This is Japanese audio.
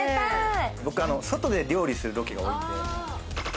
僕、外で料理するロケが多いんで○○。